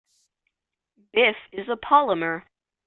BiF is a polymer.